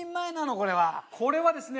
これはですね